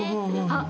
あっ！